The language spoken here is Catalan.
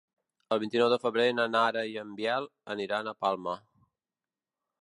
El vint-i-nou de febrer na Nara i en Biel aniran a Palma.